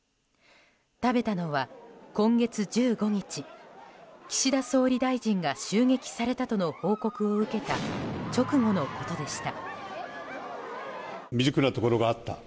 食べたのは今月１５日岸田総理大臣が襲撃されたとの報告を受けた直後のことでした。